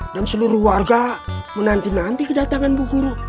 dan seluruh warga menanti nanti kedatangan bu guru